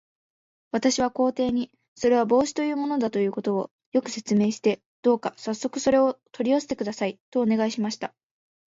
私は皇帝に、それは帽子というものだということを、よく説明して、どうかさっそくそれを取り寄せてください、とお願いしました。